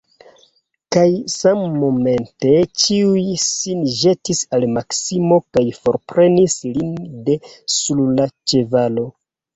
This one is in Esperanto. Kaj sammomente ĉiuj sin ĵetis al Maksimo kaj forprenis lin de sur la ĉevalo.